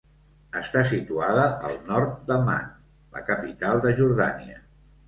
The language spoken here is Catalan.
Està situada al nord d'Amman, la capital de Jordània.